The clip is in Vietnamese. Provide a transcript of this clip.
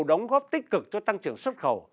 đóng góp tích cực cho tăng trưởng xuất khẩu